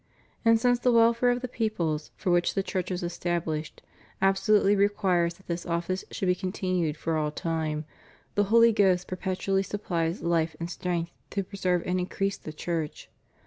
And since the welfare of the peoples, for which the Church was established, abso lutely requires that this office should be continued for all time, the Holy Ghost perpetually supplies life and strength to preserve and increase the Church.